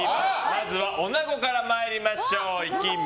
まずはおなごから参りましょう。